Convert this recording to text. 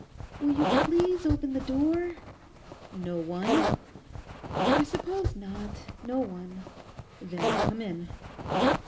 'Will you please open the door?' 'No one?' 'I suppose not—no one.' 'Then come in.